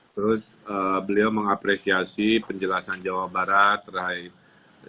terus beliau mengapresiasi penjelasan jawa barat terhadap